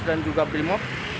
dan juga brimob